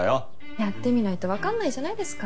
やってみないとわかんないじゃないですか。